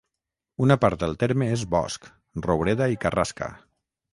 Una part del terme és bosc, roureda i carrasca.